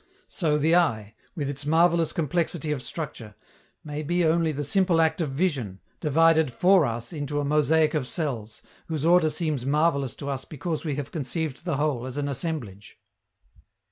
So the eye, with its marvelous complexity of structure, may be only the simple act of vision, divided for us into a mosaic of cells, whose order seems marvelous to us because we have conceived the whole as an assemblage.